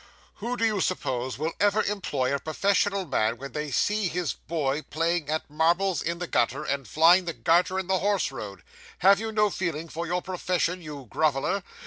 'Who do you suppose will ever employ a professional man, when they see his boy playing at marbles in the gutter, or flying the garter in the horse road? Have you no feeling for your profession, you groveller?